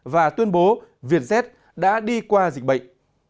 và tuyên bố vietjet đã đi qua dịch bệnh